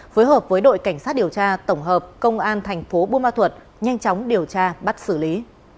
phối hợp với đội cảnh sát điều tra tổng hợp công an tp bumathuot nhanh chóng điều tra bắt xử lý